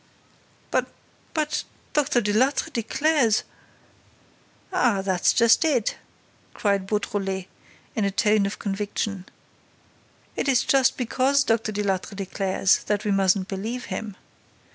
"But Dr. Delattre declares—" "Ah, that's just it!" cried Beautrelet, in a tone of conviction. "It is just because Dr. Delattre declares that we mustn't believe him.